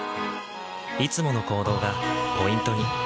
いつもの行動がポイントに。